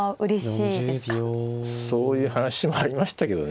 そういう話もありましたけどね